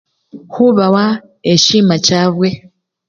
Khubawa eshima chabwe.